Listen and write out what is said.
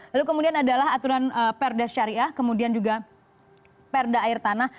lalu kemudian adalah aturan perda syariah kemudian juga perda air tanah